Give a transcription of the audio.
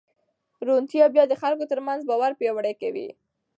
روڼتیا بیا د خلکو ترمنځ باور پیاوړی کوي.